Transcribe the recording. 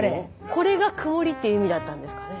これが曇りっていう意味だったんですかね。